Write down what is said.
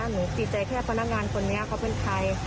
หนูติดใจแค่พนักงานคนนี้เขาเป็นใคร